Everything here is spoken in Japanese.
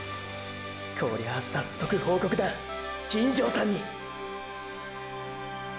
こりゃあ早速報告だ金城さんに！！